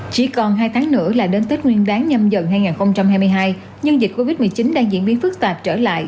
chỉ còn hai tháng nữa là đến tết nguyên đáng nhâm dần hai nghìn hai mươi hai nhưng dịch covid một mươi chín đang diễn biến phức tạp trở lại